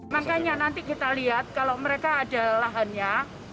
makanya nanti kita lihat kalau mereka ada lahannya